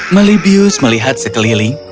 malibius melihat sekeliling